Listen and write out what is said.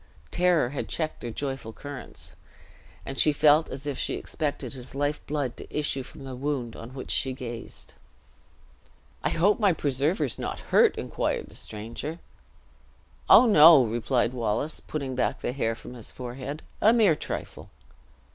Terror had checked their joyful currents; and she felt as if she expected his life blood to issue from the wound on which she gazed. "I hope my preserver is not hurt?" inquired the stranger. "Oh, no!" replied Wallace, putting back the hair from his forehead; "a mere trifle!"